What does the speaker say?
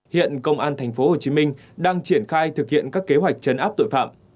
hiện công an tp hcm đang triển khai thực hiện các kế hoạch chấn áp tội phạm